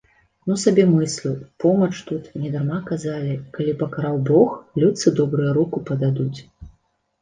Ну сабе мыслю, помач тут, недарма казалі, калі пакараў бог, людцы добрыя руку пададуць.